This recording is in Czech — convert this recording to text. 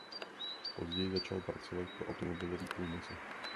Později začal pracovat pro automobilový průmysl.